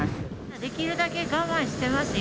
できるだけ我慢してますよ。